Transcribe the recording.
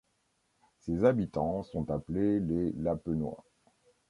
Ses habitants sont appelés les Lapennois.